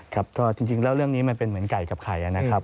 ครับก็จริงแล้วเรื่องนี้มันเป็นเหมือนไก่กับไข่นะครับ